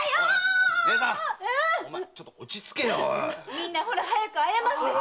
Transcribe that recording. みんな早く謝って。